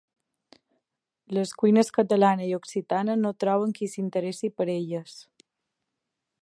Les cuines catalana i occitana no troben qui s'interessi per elles